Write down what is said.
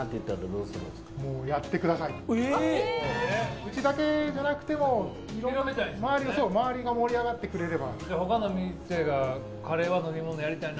うちだけじゃなくても周りが盛り上がってくれれば。